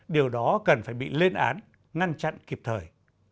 điều đó cần phải bị lên án ngăn chặn kịp thời